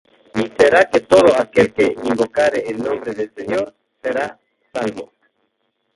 Y será que todo aquel que invocare el nombre del Señor, será salvo.